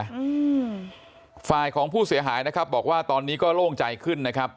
อัฟไลน์ของผู้เสียหายนะครับบอกว่าตอนนี้ก็โล่งใจขึ้น